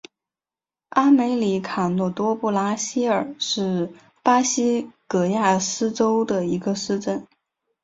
阿梅里卡诺多布拉西尔是巴西戈亚斯州的一个市镇。